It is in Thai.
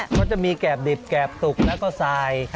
ก็จะมีแกร่บดิบแกร่บตุกแล้วก็ทราย